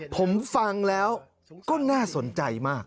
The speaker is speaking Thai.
ผมฟังแล้วก็น่าสนใจมาก